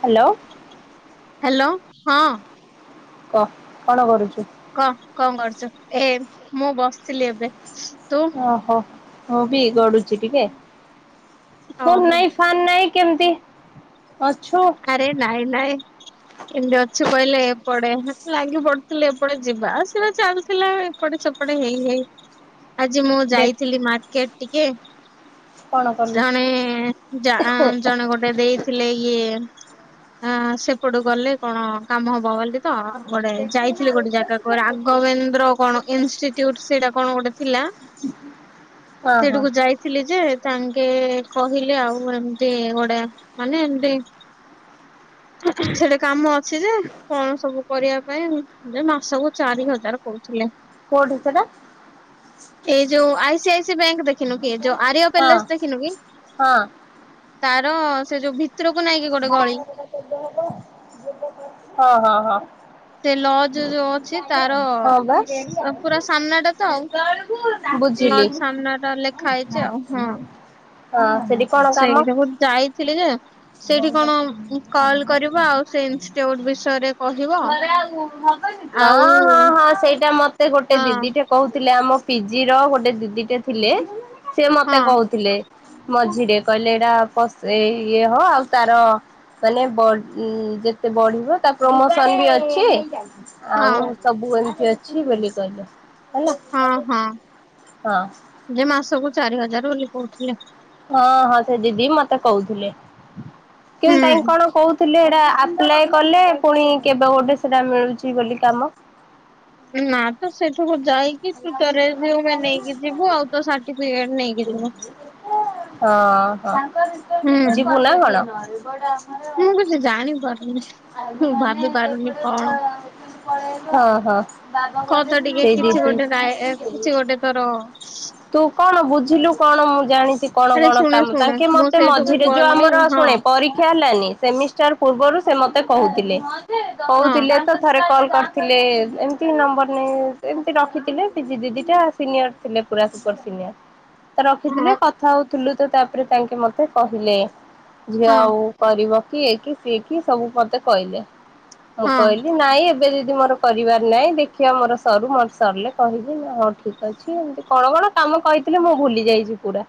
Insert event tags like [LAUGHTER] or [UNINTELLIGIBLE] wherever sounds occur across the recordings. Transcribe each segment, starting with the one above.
Hello! Hello ହଁ। କହ କ'ଣ କରୁଛୁ? କହ କ'ଣ କରୁଛୁ? ଏ ମୁଁ ବସିଥିଲି ଏବେ। ତୁ ଓଃ! ମୁଁ ବି ଗଡୁଛି ଟିକେ। ଫୋନ ଓହୋ ନାଇଁ ଫାନ୍ ନାଇଁ କେମିତି? ଅଛୁ ଆରେ ନାଇଁ ନାଇଁ। କେମିତି ଅଛୁ କହିଲେ ଏପଟେ ଲାଗି ପଡୁଥିଲେ ଏପଟେ ଯିବା ସେଟା ଚାଲିଥିଲା ଏପଟେ ସେପ ହେଇ ହେଇ ଆଜି ମୁଁ ଦେଖ ଯାଇଥିଲି ମାର୍କେଟ ଟିକେ। କଣ କଲୁ? ଜଣେ ଯା ଆଁ ଜଣେ ଗୋଟେ ଦେଇଥିଲେ ଇଏ ଆଁ ସେପଟୁ ଗଲେ କଣ କାମ ହବ ବୋଲି ତ ଗୋଟେ ଯାଇ ଥିଲି ଗୋଟେ ଜାଗାକୁ ରାଘବେନ୍ଦ୍ର କଣ ଇନଷ୍ଟିୁଟ ସେଇଟା କଣ ଗୋଟେ ଥିଲା। ହଁ ହଁ ସେଠାକୁ ଯାଇଥିଲି ଯେ ସାଙ୍ଗେ କହିଲେ ଆଉ ଏମିତି ଗୋଟେ ମାନେ ଏମିତି। ସେଠି ସେଠି କାମ ଅଛି ଯେ କଣ ସବୁ କରିବା ପାଇଁ ଯେ ମାସ କୁ ଚାରି ହଜାର କରୁଥିଲେ। କୋଉଁଠି ସେଇଟା? ଏଇ ଯୋଉ I C I C bank ଦେଖିନୁ କି ଯୋଉ ଆରିୟ ହଁ ପ୍ୟାଲେସ ଦେଖିନୁ କି, ହଁ ତାର ସେ ଯୋଉ ଭିତରକୁ ନାହିଁକି ଗୋଟେ ଗଳି ହଁ, ହଁ, ହଁ। ସେ ଲଜ ଯୋଉ ଅଛି ତାର ହଁ ବା। ସ ପୁରା ସାମ୍ନା ଟା ତ ଆଉ। ବୁଝିଲି ଲଜ ସାମ୍ନା ଟା ଲେଖା ହେଇଛି ଆଉ ହଁ। ହଁ। ସେଠି କଣ କାମ? ସେଇଠାକୁ ଯାଇଥିଲି ଯେ ସେଇଠି କ'ଣ କଲ କରିବା ଆଉ ସେଇ ଇନଷ୍ଟିଚ୍ୟୁଟ ବିଷୟରେ କହିବ ହଁ, ହଁ, ଆଉ ହଁ, ସେଇଟା ମତେ ଗୋଟେ ହଁ ଦିଦିଟେ କହୁ ଥିଲେ। ଆମ ପିଜି ର ଗୋଟେ ଦିଦିଟେ ଥିଲେ ସେ ହଁ ମତେ କହୁଥିଲେ। ମଝିରେ କହିଲେ ଏଇଟା ପ ଏଇ ଇଏ ହ ଆଉ ତାର ମାନେ ବ ଯେତେ ବଢିବ ତା ପ୍ରମୋ ସନ୍ ବି ଅଛି। ହଁ ଆଉ ସବୁ ଏମିତି ଅଛି ବୋଲି କହିଲ। ହଁ, ହଁ, ଯେ ମାସ କୁ ଚାରି ହଜାର ବୋଲି କହୁଥିଲେ। ହଁ, ହଁ, ସେ ଦିଦି ମତେ କହୁଥିଲେ, କିନ୍ତୁ ତାଇ ହୁଁ। କ'ଣ କହୁ ଥିଲେ ହେଟା ଆପ୍ଲାଏ କଲେ ପୁଣି କେବେ ଗୋଟେ ସେଟା ମିଳୁଛି ବୋଲି କାମ। ନା ତ ସେଠୁକୁ ଯାଇ କି ତୁ ତାପରେ ଯୋଉ ମା ନେଇକି ଯିବୁ ଆଉ ତୋ ସାର୍ଟିଫିକେଟ ନେଇକି ଯିବୁ। ଓଃ ହୁଁ ଯିବୁ ନା କ'ଣ? ମୁଁ କିଛି ଜାଣି ପାରୁନି ମୁଁ ଭାବି ପାରୁନି କଣ? ହଁ। ହଁ, ସେଇ ଡ୍ୟୁଟି ଥାଏ ଏ କିଛି ଗୋଟେ ତୋର ତୁ କ'ଣ ବୁଝିଲୁ କ'ଣ ମୁଁ ଜାଣି କ'ଣ ଆରେ କ'ଣ ଶୁଣେ କାମ ଶୁଣେ ତାଙ୍କେ ମୁଁ ମୋତେ ସେଇଠୁକୁ ମଝିରେ ଯୋଉ ଗଲି ଆମର ହଁ ହଁ ଶୁଣେ ପରୀକ୍ଷା ହେଲାନି ସେମିଷ୍ଟାର ପୂର୍ବରୁ ସେ ମ ତେ କହୁଥିଲେ କହୁଥିଲେ ତ ଥରେ କଲ କରି ଥିଲେ ଏମିତି ନମ୍ବର ନେ ଏମତି ରଖି ଥିଲେ। ପି ଜି ଦିଦି ଟା ସିନିୟର ଥିଲେ ପୁରା ସୁପର ସିନିୟର ରଖିଥିଲେ ହଁ କଥା ହ ଥିଲୁ ତ ତାପରେ ତାଙ୍କେ ମୋତେ କହିଲେ ଝିଅ ହଁ ଆଉ କରିବ ସିଏ କି ସିଏ କି ସବୁ ମୋତେ କହିଲେ। ମୁଁ ହଁ କହିଲି ନାଇଁ ଏବେ ଯି ଯେ ମୋର କରିବାର ନାଇଁ। ଦେଖିବା ମୋର ସରୁ। ମୋର ସରଲେ କହିବି ମୁଁ ହଁ ଠିକ ଅଛି ଏମତି କଣ କଣ କାମ କହିଥିଲେ ମୁଁ ଭୁଲି ଯାଇଛି ପୁରା।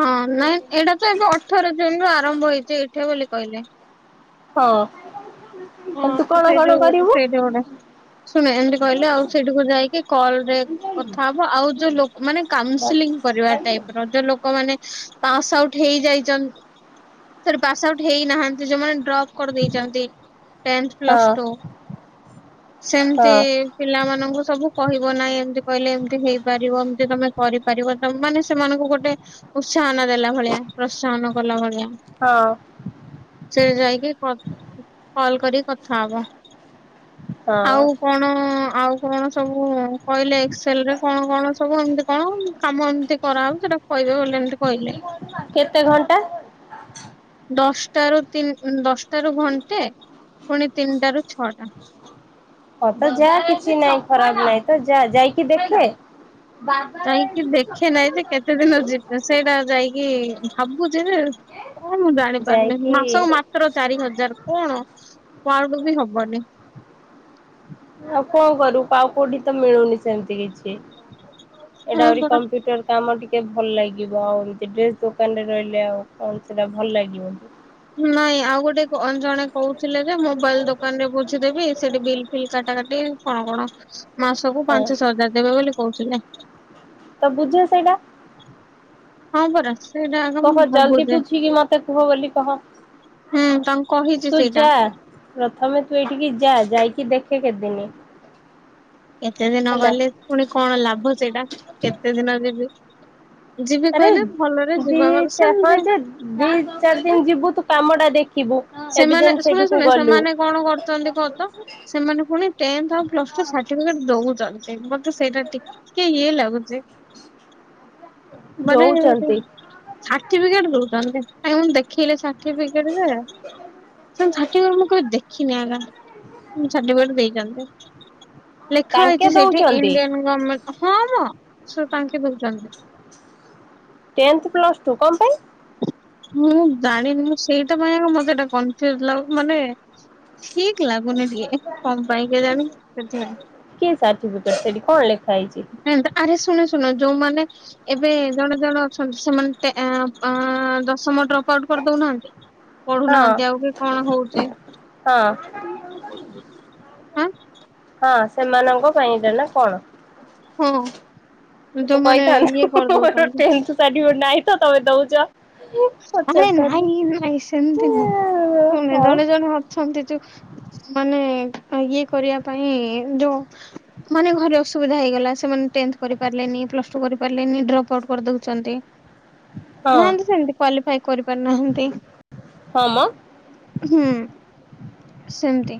ହଁ ନା ଏଇଟା ତ ଏବେ ଅଠର ଜୁନ୍ ରୁ ଆରମ୍ଭ ହେଇଛି ଏଇଠା ବୋଲି କହିଲେ। ହଁ ତୁ କଣ କଣ କରିବୁ? ଶୁଣେ ଏମତି କହିଲେ ଆଉ ସେଇଠିକୁ ଯାଇକି କଲ୍ ରେ କଥା ହବ। ଆଉ ଯୋଉ ଲୋ-ମାନେ ହଁ କାଉସିଲି କରିବା ଟାଇପ୍ ର ଯୋଉ ଲୋକମାନେ ପାସ୍ ଆଉଟ୍ ହେଇଯାଇଚନ୍ ସଡି ପାସ୍ ଆଉଟ୍ ହେଇନାହାନ୍ତି ଯୋଉମାନେ ଡ୍ରପ୍ କରିଦେଇଚନ୍ତି। ଟେନ୍ଥ, ପ୍ଲସ୍ ହଁ ଟୁ ସେମିତି ପିଲାମାନଙ୍କୁ ସବୁ କହିବ ନାହିଁ ଏମିତି କହିଲେ ଏମିତି ହେଇପାରିବ। ଏମତି ଯେ ତୋମେ କରିପାରିବ ତୋମ ମାନେ ସେମାନଙ୍କୁ ଗୋଟେ ଉସ ସାହନ ଦେଲା ଭଳିଆ। ପ୍ରୋତ୍ସାହନ କଲା ଭଳିଆ। ହଁ ସେଇଠି ଯାଇକି କ କଲ୍ କରିକି କଥା ହବ। ହଁ। ଆଉ କଣ ଆଉ କଣ ସବୁ କହିଲେ ଏକ୍ସେଲ ରେ କଣ କଣ ସବୁ ଏମତି କଣ କାମ ଏମିତି କରାହଉ ସେଟା କହିବେ ବୋଲି ଏମତି କହିଲେ। କେତେ ଘଣ୍ଟା? ଦଶଟା ରୁ ତିନି ଉଁ, ଦଶଟା ରୁ ଘଣ୍ଟେ। ପୁଣି ତିନିଟା ରୁ ଛ ହଁ ତ ଯା କିଛି ନାଇଁ। ଖରାପ ନାଇଁ ତ ଯା ଯାଇକି ଦେଖେ। ଯାଇକି ଦେଖେ ନାହିଁ ଯେ କେତେ ଦିନ ଯେ ସେଇଟା ଯାଇକି ଭାବୁଚି ଯେ କଣ ମୁଁ ଜାଣିପାରୁନି। ଯାଇକି ମାସକୁ ମାତ୍ର ଚାରି ହଜାର କଣ? କୁଆଡୁ ବି ହବନି। ଆଉ କଣ କରିବୁ। ଆଉ କୋଉଠି ତ ମିଳୁନି ସେମିତି କିଛି। ଏଇଟା ହଁ ଆହୁରି ପରା କମ୍ପ୍ୟୁଟର କାମ ଟି ଟିକେ ଭଲ ଲାଗିବ। ଆଉ ଏମତି ଡ୍ରେସ୍ ଦୋକାନରେ ରହିଲେ ଆଉ କଣ ସେଟା ଭଲ ଲାଗିବ କି? ନାଇଁ ଆଉ ଗୋଟେ କ-ଓ ଜଣେ କହୁ ଥିଲେ ଯେ ମୋବାଇଲ୍ ଦୋକାନ ରେ ବୁଝିଦେବି ସେଠି ବିଲ୍ ଫିଲ୍ କାଟା କାଟି କଣ କଣ ମାସକୁୁ ହଁ ପାଞ୍ଚଶହ ହଜାର ଦେବେ ବୋଲି କହୁଥିଲେ। ତ ବୁଝ ସେଇଟା। ହଁ ପରା। ସେଇଟା ଆଗ ମୁଁ କହ ଜଲଦି ଭାବୁଛେ ବୁଝିକି ମୋତେ କୁହ ବୋଲି। କହ। ହୁଁ ତାଙ୍କୁ କହିଛି ତୁ ସେଇଟା ଯା ପ୍ରଥମେ ତୁ ଏଇଠିକି ଯା ଯାଇ କି ଦେଖେ କେଦିନି। କେତେ ଦିନ ଗଲେ ପୁଣି କଣ ଲାଭ ସେଇଟା କେତେ ଦିନ ଯିବି। ଯିବି ଆରେ କହିଲେ ଭଲରେ ଦି ଯିବା କ ଚା-ହଁ ସେମିତି ଯେ ଦି ଚାରି ଦିନ ଯିବୁ ତୁ କାମ ଟା ଦେ ସେମାନେ ଏ ଶୁଣେ ଶୁଣେ ସେମାନେ କଣ କରୁଚନ୍ତି କହ ତ? ସେମାନେ ପୁଣି ଟେନ୍ଥ ଆଉ ପ୍ଲସ୍ ଟୁ ସା ସାର୍ଟିଫିକେଟ ଦଉଚନ୍ତି। ମୋତେ ସେଇଟା ଟିକେ ଇଏ ଲାଗୁଚି। ମାନେ ଦଉଛନ୍ତି [UNINTELLIGIBLE] ସାର୍ଟିଫିକେଟ ଦଉଚନ୍ତି। କାଇଁ ମୁଁ ଦେଖେଇଲେ ସା ସାର୍ଟିଫିକେଟ ଯେ ସେମ ସାର୍ଟିଫିକେଟ ମୁଁ କେବେ ଦେ ଦେଖିନି ଏକା [UNINTELLIGIBLE] ସାର୍ଟିଫିକେଟ ଦେଇଚନ୍ତି। ଲେଖା ତାଙ୍କେ ହେଇଚି ସେଇଠି ଦଉଛନ୍ତି ଇଣ୍ଡିଆନ ଗମେଣ୍ଟ ହଁ ମୋ ସୋ ତାଙ୍କେ ଦଉଚନ୍ତି। ଟେନ୍ଥ ପ୍ଲସ୍ ଟୁ କଣ ପାଇଁ? [INAUDIBLE] ମୁଁ ଜାଣିନି ମୁଁ ସେଇଟା ପାଇଁ ଏକା ମୋତେ ଏଟା କନଫ୍ୟୁଜ୍ ଲାଗୁ ମାନେ ଠିକ ଲାଗୁନି ଟିକେ କଣ ପାଇଁ କେଜାଣି ସେଥିପାଇଁ କି ସାର୍ଟିଫିକେଟ ସେଠି କଣ ଲେଖା ହେଇଛି? ଏନ୍ତା ଆରେ ଶୁଣ ଶୁଣ ଯୋଉମାନେ ଏବେ ଜଣେ ଜଣେ ଅଛନ୍ତି ସେମାନେ ଟେ ଏଁ, ଆଁ, ଦଶମ ଡ୍ର ପ ଆଉଟ୍ କରିଦଉନାହାନ୍ତି। ହଁ ପଢୁନାହାନ୍ତି ଆଉ କି କଣ ହଉଚି? ହଁ [INAUDIBLE] ହଁ ସେମାନଙ୍କ ପାଇଁ ଏଟା ନା କଣ? ହଁ। ତ ଯୋଉମାନେ ଇଏ କହିଥାନ୍ତ ମୋର କରିଦଉଛନ୍ତି ଟେନ୍ଥ ସାର୍ଟିଫିକେଟ ନାଇଁ ତ ତମେ ଦଉଚ। ଆରେ ନାଇଁ ନାଇଁ ସେମିତି ନାଇଁ ଆଉ ଶୁଣେ ହଁ ଜଣେ ଜଣେ ଅଛନ୍ତି ଯୋଉ ମାନେ ଇଏ କରିବା ପାଇଁ ଯୋଉ ମାନେ ଘରେ ଅସୁବିଧା ହେଇଗଲା ସେମାନେ ଟେନ୍ଥ କରିପାରିଲେନି ପ୍ଲସ ଟୁ କରିପାରିଲେନି ଡ୍ରପ ଆଉଟ୍ କରିଦଉଛନ୍ତି। ନାହାନ୍ତି ସେମତି କ୍ୱାଲିଫାଇ କରିପାରିନାହାନ୍ତି? ହଁ ମ ହୁଁ ସେମତି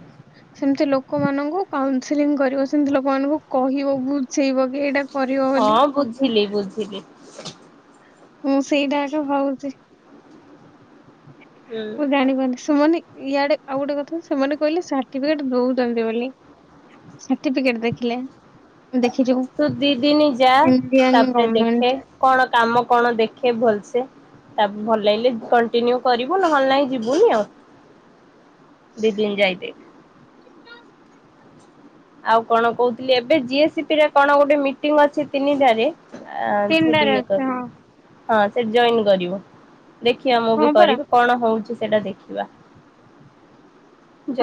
ସେମତି ଲୋକମାନଙ୍କୁ କାଉନସେଲିଂ କରିବ ସେମିତି ଲୋକମାନଙ୍କୁ କହିବ ବୁଝେଇବ କି ଏଇଟା କରିବ ବୋଲି। ହଁ ବୁଝିଲି ବୁଝିଲି। ମୁଁ ସେଇଟା ଆକା ଭାବୁଚି। ହୁଁ ମୁଁ ଜାଣିିପାରୁନି ସୁବୁନି? ଇଆଡେ ଆଉ ଗୋଟେ କଥା ସେମାନେ କହିଲେ ସାର୍ଟିଫିକେଟ ଦଉଛନ୍ତି ବୋଲି। ସାର୍ଟିଫିକେଟ ଦେଖିଲେ। ଦେଖିଛୁ ତୁ ଦି ଦିନ ଯା ଇଣ୍ଡିଆନ୍ ତାପରେ ଦେଖେ ଗମେଣ୍ଟ କଣ କାମ କଣ ଦେଖେ ଭଲସେ ତାପ ଭଲ ଲାଗିଲେ କଣ୍ଟିନ୍ୟୁ କରିବୁ ନହେଲେ ନାହିଁ ଯିବୁନି ଆଉ। ଦି ଦିନ ଯାଇ ଦେଖ। ଆଉ କଣ କହୁଥିଲି ଏବେ ଜିଏସିପିରେ କଣ ଗୋଟେ ମିଟିଂ ଅଛି ତିନିଟା ରେ ଆ ସେଠି ତିନିଟାରେ ଏ ଅଛି କର। ହଁ ହଁ ସେଠି ଜଏନ୍ କରିବୁ। ଦେଖିବା ମୁଁ ହଁ ବି ପରା କରିବି କଣ ହଉଚି। ସେଇଟା ଦେଖିବା।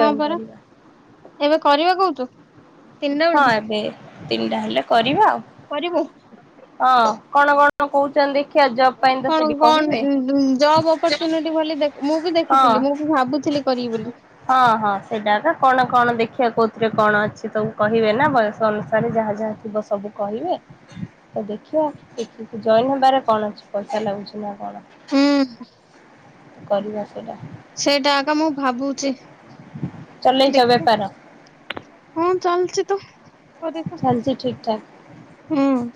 ହଁ ପରା କରିବା। ଏବେ କରିବା କହୁଚୁ? ହଁ ଏବେ ତିନିଟା ହେଲେ କରିବା। କରିବୁ? ହଁ କଣ କଣ କହୁଛନ୍ତି? ଜବ୍ ପାଇଁ ତ କଣ ସେଠି କଣ କହିବେ। ଜବ୍ ଅପରଚୁନିଟି ବୋଲି ମୁଁ ବି ହଁ ଦେଖିଥିଲି ମୁଁ ବି ଭାବୁଥିଲି। କରିବି ବୋଲି ହଁ ହଁ ସେଇଟାକା କଣ କଣ ଦେଖିବା କୋଉଥିରେ କଣ ଅଛି ସବୁ କହିବେ ନା ବୟସ ଅନୁସାରେ ଯାହା ଯାହା ଥିବ ସବୁ କହିବେ। ତ ଦେଖିବା କି ଜଏନ ହେବାରେ କଣ ଅଛି ପଇସା ଲାଗୁଛି ନା କଣ। ହୁଁ। କରିବା ସେଇଟା। ସେଇଟା ଆ ଏକା ମୁଁ ଭାବୁଚି। ଚଲେଇଛ ଦେଖଆ ବେପାର ହଁ ଚାଲଚି ତ। ଚାଲିଛି [UNINTELLIGIBLE] ଠିକ୍ ଠାକ୍। ହୁଁ।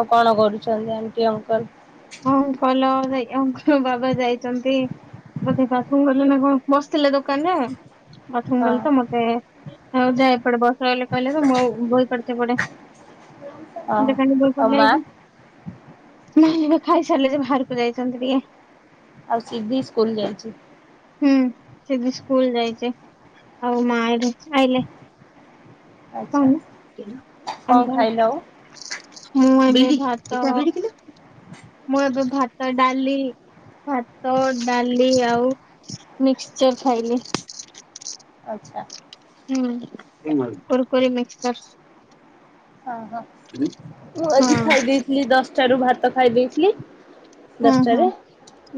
ଆଉ କଣ କରୁଛନ୍ତି ଆଣ୍ଟି ଅଙ୍କଲ? ହଁ ଭଲ। [UNINTELLIGIBLE] ଆଙ୍କ ବାବା ଯାଇଛନ୍ତି ବୋଧେ ପାଖ ଗଲେ ନା କଣ ବସିଥିଲେ ଦୋକାନରେ ବାଥରୁମ ଗଲେ ହଁ ତ ମତେ ଆ ଯାଏ ପଡେ ବସ ଯା କହିଲେ, ମୁଁ ବହି ପଢୁଚି ଏପଟେ। ହଁ ଆଉ ମା [UNINTELLIGIBLE] ଖାଇସାରିଲେ ଯେ ବାହାରକୁ ଯାଇଛନ୍ତି ଟିକେ। ଆଉ ସିଧି ସ୍କୁଲ ଯାଇଚି। ହୁଁ ସିଧି ସ୍କୁଲ ଯାଇଚି। ଆଉ ମା ଏଠି ଆଇଲେ। କହ ଆଚ୍ଛା ହେଲା? କଣ ଖାଇଲ ଆଉ [UNINTELLIGIBLE] ମୁଁ ଏବେ। [UNINTELLIGIBLE] [INAUDIBLE] ମୁଁ ଏବେ ଭାତ ଡାଲି ଭାତ, ଡାଲି ଆଉ ମିକ୍ସଚର ଖାଇଲି। ଆଚ୍ଛା। ହୁଁ [UNINTELLIGIBLE] କୋର୍କୋରି ମିଶ୍ଚର। ଅହ ମୁଁ ଆଜି ଖାଇ ଦେଇଥିଲି ଦଶଟାରୁୁ ଭାତ ଖାଇ ଦେଇଥିଲି। ହଁ ହୁଁ ହୁଁ ଦଶଟାରେ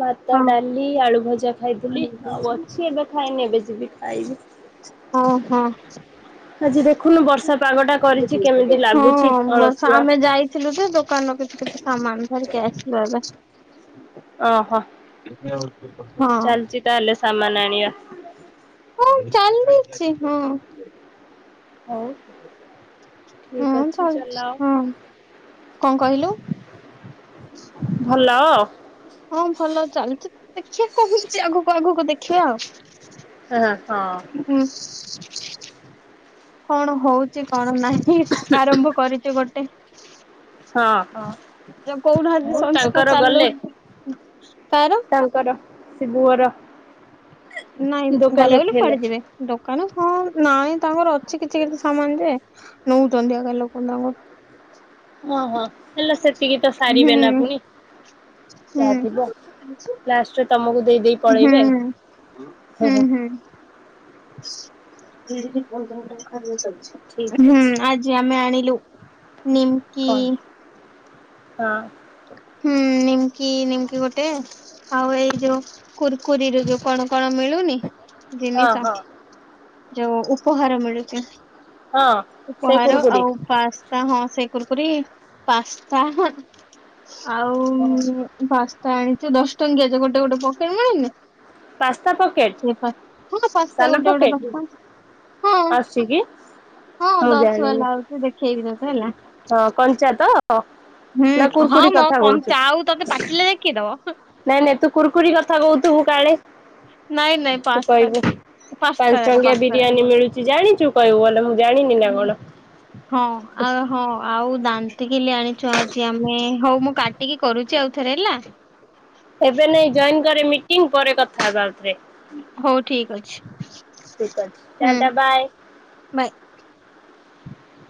ଭାତ ହଁ ଡାଲି ଆଳୁ ଭଜା ଖାଇଥିଲି ଆଉ ଅଛି ଏବେ ଖାଇନି ଏବେ ଯିବି ଖାଇବି। ଅ ହଁ। ଆଜି ଦେଖୁନୁ ବର୍ଷା ପାଗ ଟା କରିଛି କେମିତି [INAUDIBLE] ଲାଗୁଛି ହଁ ବର୍ଷ ଅଳସୁଆ ଆମେ ଯାଇଥିଲୁ ଯେ ଦୋକାନ ର କିଛି କିଛି ସାମାନ ଧରିକି ଆସିଲୁ ଏବେ। ଅହୋ। ହଁ ଚାଲଚି ତାଲେ ସାମା ଆଣିବା। ହଁ ଚାଲିଚି ହଁ। ହଉ। ହୁଁ ଠିକ ଅଛି ଚାଲଚି ହୁଁ ଚଲାଅ ଙ୍କ କହିଲୁ? ଭଲ। ହଁ ଭଲ ଚାଲିଚି ତ ଦେଖିବା କହୁଚି ଆଗକୁ ଆଗକୁ ଦେଖିବା ଆଉ। ହା ହଁ। ହୁଁ, କଣ ହଉଚି କଣ ନାହିଁ ଆରମ୍ଭ କରିଚୁ ଗୋଟେ। ହଁ ହଁ। ଜଉ କହୁନାହାନ୍ତି ଆଉ ସଂସ୍ଥା ତାଙ୍କର ଚାଲୁ ଗଲେ। ତାର ତାଙ୍କର ସିବୁ ଘର ନାଇଁ ଗଲେ ବୋଲି କୁଆଡେ ଯିବେ ଦୋକାନ ହଁ ନାଇଁ ତାଙ୍କର ଅଛି କିଛି କିଛି ସାମାନ ଯେ ନଉଚନ୍ତି ଆଗା ଲୋକ ତାଙ୍କଠୁ। ଓହୋ ହେଲେ ସେତିକି ତ ହୁଁ ସାରିବେ ନା ପୁଣି। ହୁଁ ଯାଆଥିବ ଲାଷ୍ଟରେ ତମୁକୁ ହୁଁ ହୁଁ ହୁଁ। ଦୁଇ ହେଟି ପନ୍ଦର ଗ୍ରାମ ଠିକ୍ [UNINTELLIGIBLE] ଅଛି। ହୁଁ ଆଜି ଆମେ ଆଣିବୁ। ନିମକି କଣ ହଁ। ହୁଁ ନିମକି ନିମକି ଗୋଟେ ଆଉ ଏଇ ଯୋଉ କୁୁରକୁରିରୁ ଯୋଉ କଣ କଣ ମିଳୁନି ହଁ ଜିନିଷ ହଁ ଯୋଉ ଉପହାର ମିଳୁଚି ହଁ ସେ ଉପହାର କୁରୁକୁରି ଆଉ ପାସ୍ତା ହଁ। କୁରକୁରି ପାସ୍ତା ହଁ। ଆଉ ପାସ୍ତା ଆଣିଚୁ ଦଶ ଟଙ୍କିଆ ଯୋଉ ଗୋଟେ ଗୋଟେ ପକେଟ ମିଳୁନି ପାସ୍ତା ପକେଟ୍ ସେ ହଁ ମ ଶସ୍ତା ଗୋଟେ ଗୋଟେ ପାସ୍ତା ଅଛି କି? ମୁଁ ଦଶ ଜାଣିନି ବାଲା ଆଉଛି ଦେଖେଇବି ତତେ ହେଲା। ହଁ କଞ୍ଚା ତ ନା ହୁଁ ହଁ କୁୁରକୁରି ମ କଥା କହୁଛୁ। କଞ୍ଚା ଆଉ ତତେ ପାଚିଲେ ଯାଏ କିଏଦବ। ନାଇଁ ନାଇଁ ତୁ କୁୁରୁକୁରି କଥା କହୁଥିବୁ କାଳେ ନାଇଁ ନାଇଁ ତୁ ପାସ୍ତା କହିବୁ ପାସ୍ତା ପାଞ୍ଚ ଯାକ ଟଙ୍କିଆ ପାସ୍ତା ବିରିୟାନୀ ମିଳୁଚି ଜାଣି ତୁ କହିବୁ ଗଲେ ମ ହୁଁ ହଁ ଆଉ ହଁ ଆଉ ଦାନ୍ତିକିଲି ଆଣି ଚଚି ଆମେ ହଉ ମୁଁ କାଟିକି କରୁଚି ଆଉଥରେ ହେଲା। ଏବେ ନାଇଁ ଜଏନ୍ କରେ ମିଟିଂ ପରେ କଥା ହେବା ଆଉଥରେ। ହଉ ଠିକ ଅଛି ଠିକ୍ ଅଛି ହୁଁ ଟାଟା ବାଏ। ବାଏ। [INAUDIBLE]